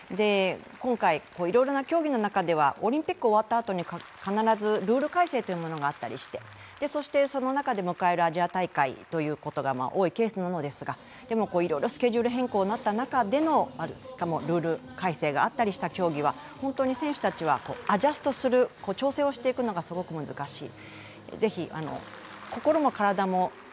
今回、いろいろな競技の中ではオリンピックが終わったあとに必ずルール改正というものがあったりして、そしてその中で迎えるアジア大会というのが多いケースなのですがでも、いろいろスケジュール変更になった中でのルール改正があったりした競技は本当に選手たちはアジャストする、調整をしていくのがすごく難しい。